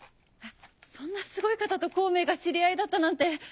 そんなすごい方と孔明が知り合いだったなんて。